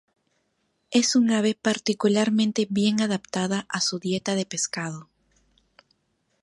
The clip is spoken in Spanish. Es un ave particularmente bien adaptada a su dieta de pescado.